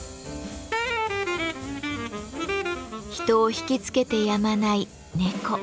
人を惹きつけてやまない猫。